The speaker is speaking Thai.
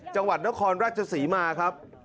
จังหวัดนครราชศรีมาครับ